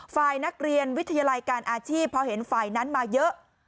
ฝ่ายนักเรียนวิทยาลัยการอาชีพพอเห็นฝ่ายนั้นมาเยอะ